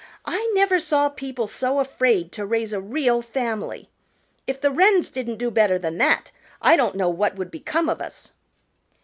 I never saw people so afraid to raise a real family. If the Wrens didn't do better than that, I don't know what would become of us."